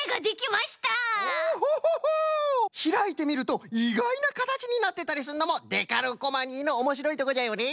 ひらいてみるといがいなかたちになってたりするのもデカルコマニーのおもしろいとこじゃよね。